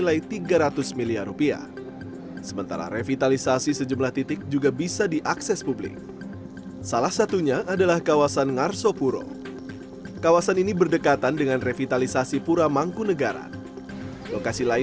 lalu proyek api